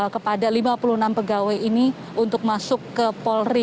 kepada lima puluh enam pegawai ini untuk masuk ke polri